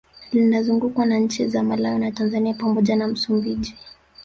Linazungukwa na nchi za Malawi na Tanzania pamoja na Msumbiji